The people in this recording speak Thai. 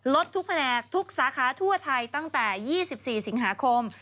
ทุกแผนกทุกสาขาทั่วไทยตั้งแต่๒๔สิงหาคม